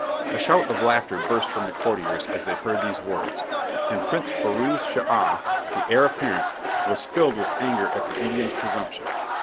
A shout of laughter burst from the courtiers as they heard these words, and Prince Firouz Schah, the heir apparent, was filled with anger at the Indian's presumption.